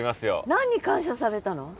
何に感謝されたの？